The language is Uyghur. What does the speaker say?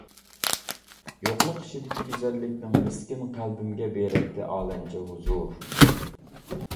يوقلۇق ئىچىدىكى گۈزەللىكىڭ مىسكىن قەلبىمگە بېرەتتى ئالەمچە ھۇزۇر.